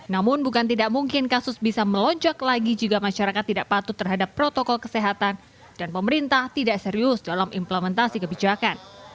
namun bukan tidak mungkin kasus bisa melonjak lagi jika masyarakat tidak patut terhadap protokol kesehatan dan pemerintah tidak serius dalam implementasi kebijakan